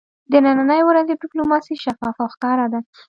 د ننی ورځې ډیپلوماسي شفافه او ښکاره ده